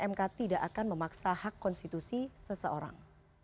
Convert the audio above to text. mk tidak akan memaksa hak konstitusi seseorang